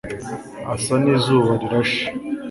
asa n'izuba rirashe